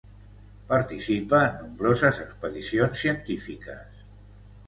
Participa en nombroses expedicions científiques.